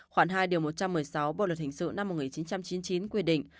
khoảng hai điều một trăm một mươi sáu bộ luật hình sự năm một nghìn chín trăm chín mươi chín quy định